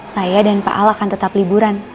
saya dan pak ala akan tetap liburan